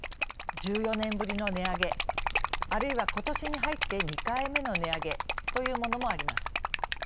１４年ぶりの値上げ、あるいはことしに入って２回目の値上げというものもあります。